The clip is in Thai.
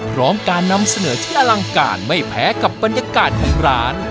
พร้อมการนำเสนอที่อลังการไม่แพ้กับบรรยากาศของร้าน